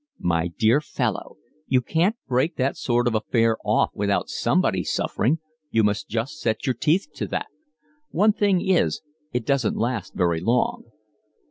"My dear fellow, one can't break that sort of affair off without somebody suffering. You must just set your teeth to that. One thing is, it doesn't last very long."